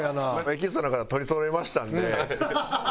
エキストラの方取りそろえましたんで。